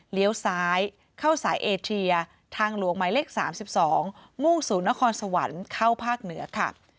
ซ้ายเข้าสายเอเชียทางหลวงหมายเลข๓๒มุ่งสู่นครสวรรค์เข้าภาคเหนือค่ะ